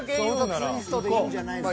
ソフトツイストでいいんじゃないですか。